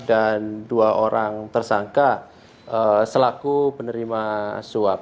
dan dua orang tersangka selaku penerima swab